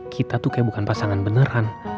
kita tuh kayak bukan pasangan beneran